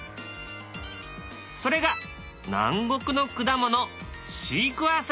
それが南国の果物